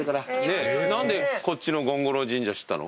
何でこっちの権五郎神社知ったの？